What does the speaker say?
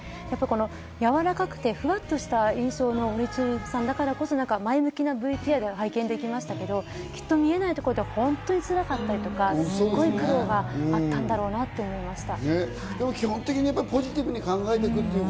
やわらかくてフワッとした印象の堀ちえみさんだからこそ、前向きなＶＴＲで拝見できましたけど、きっと見えないところでは本当に辛かったりとか、すごい苦労があったんだろうなって思いました。